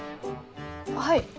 はい。